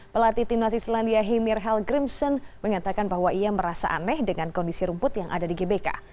pelatih timnas islandia hemir helgrimson mengatakan bahwa ia merasa aneh dengan kondisi rumput yang ada di gbk